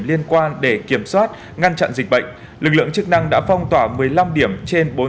liên quan để kiểm soát ngăn chặn dịch bệnh lực lượng chức năng đã phong tỏa một mươi năm điểm trên